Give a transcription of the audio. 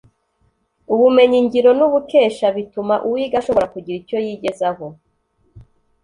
ubumenyi ngiro n’ubukesha bituma uwiga ashobora kugira icyo yigezaho